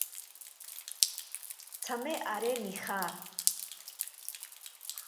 Tsame aré nija.